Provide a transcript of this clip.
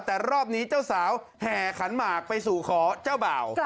แต่รอบนี้เจ้าสาวแห่ขันหมากไปสู่ขอเจ้าบ่าว